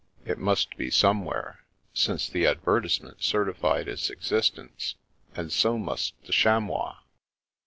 It must be somewhere, since the advertisement certified its exist ence, and so must the chamois.